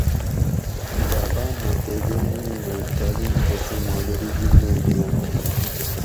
جاۤپاۤن مئ تے جرمنی مئ تعلیم تسوں مادری جِب مئ دِیاۤں